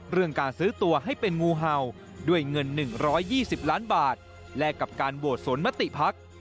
เรื่องการซื้อตัวให้เป็นงูเห่าด้วยเงิน๑๒๐ล้านบาทแลกกับการโหวตสวนมติพัก